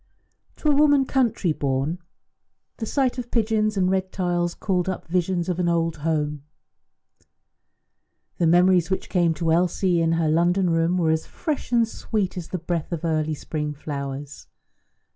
To a woman country born the sight of pigeons and red tiles called up visions of an old home. The memories which came to Elsie in her London room were as fresh and sweet as the breath of early spring flowers.